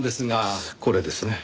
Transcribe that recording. これですね。